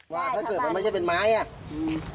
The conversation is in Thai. ว่าถ้าเกิดมันไม่ใช่เป็นไม้อ่ะอืม